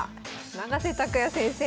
永瀬拓矢先生。